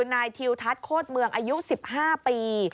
นายทิวทัศน์โคตรเมืองอายุ๑๕ปี